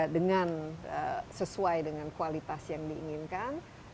dengan sesuai dengan kualitas yang diinginkan